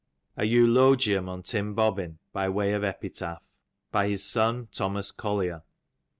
An Eulogium on Tim Bobbin, by way of Epitaph, BY HIS SOlSr THOMAS COLLIER.